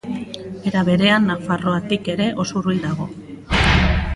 Era berean, Nafarroatik ere oso hurbil dago.